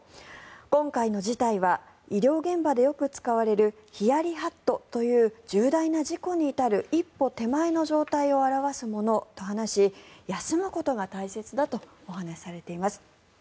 今回の事態は医療現場でよく使われるヒヤリ・ハットという重大な事故に至る一歩手前の状態を表すものと話し休むことが大切だとお話しされています。